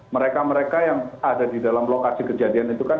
mereka mereka yang ada di dalam lokasi kejadian itu kan